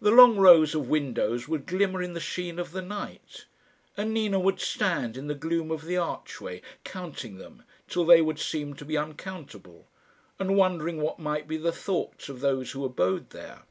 The long rows of windows would glimmer in the sheen of the night, and Nina would stand in the gloom of the archway counting them till they would seem to be uncountable, and wondering what might be the thoughts of those who abode there.